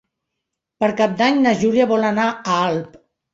Per Cap d'Any na Júlia vol anar a Alp.